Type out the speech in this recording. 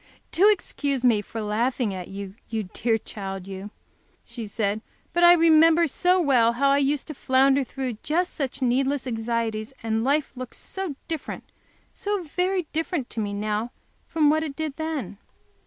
"Do excuse me for laughing at you, you dear child you!" she said. "But I remember so well how I use to flounder through just such needless anxieties, and life looks so different, so very different, to me now from what it did then!